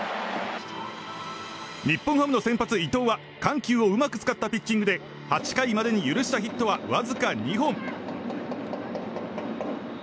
日本ハムの先発、伊藤は緩急をうまく使ったピッチングで８回までに許したヒットはわずか２本。